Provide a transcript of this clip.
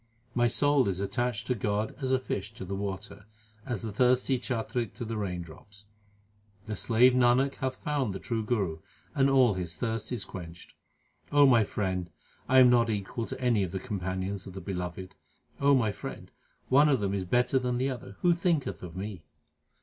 My soul is attached to God as a fish to the water, as the thirsty chatrik to the raindrops. The slave Nanak hath found the True Guru, and all his thirst is quenched. O my friend, I am not equal to any of the companions of the Beloved. my friend, one of them is better than the other ; who thinketh of me